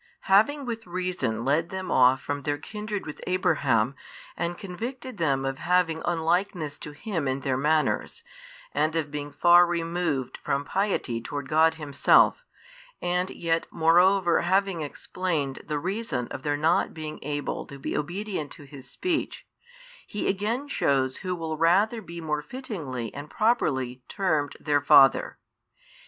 Having with reason led them off from their kindred with Abraham and convicted them of having unlikeness to him in their manners, and of being far removed from piety toward God Himself, and yet moreover having explained the reason of their not being able to be obedient to His speech, He again shews who will rather be more fittingly and properly termed their father.